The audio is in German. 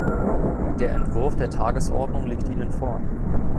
Der Entwurf der Tagesordnung liegt Ihnen vor.